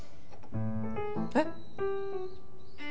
えっ？